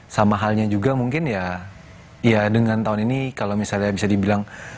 sama halnya juga mungkin ya dengan tahun ini kalau misalnya bisa dibilang